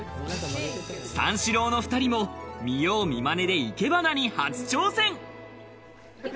三四郎の２人も見よう見まねで、生け花に初挑戦。